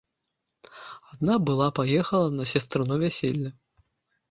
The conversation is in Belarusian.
Адна была паехала на сястрыно вяселле.